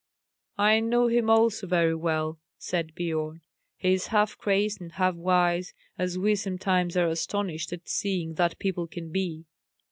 "I know him also very well," said Biorn. "He is half crazed and half wise, as we sometimes are astonished at seeing that people can be.